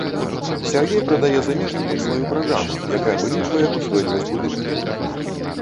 Сяргей прадае замежнікам сваю праграму, якая вылічвае ўстойлівасць будынкаў.